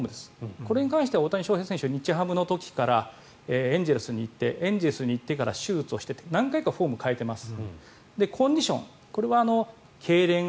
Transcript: これに関しては大谷翔平選手、日ハムの時からエンゼルスに行ってエンゼルスに行ってから手術をしてと何回かフォームを変えています。